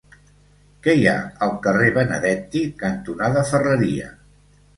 Què hi ha al carrer Benedetti cantonada Ferreria?